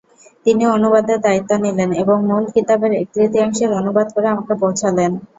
তিনি অনুবাদের দায়িত্ব নিলেন এবং মূল কিতাবের এক-তৃতীয়াংশের অনুবাদ করে আমাকে পৌঁছালেন।